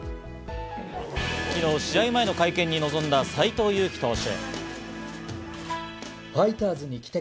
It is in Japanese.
昨日、試合前の会見に臨んだ斎藤佑樹投手。